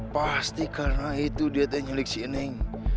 pasti karena itu dia tanya liksin eneng